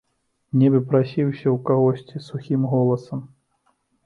Нібы прасіўся ў кагосьці сухім голасам.